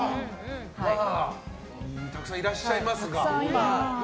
たくさんいらっしゃいますが。